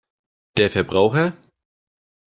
Der Verbraucher?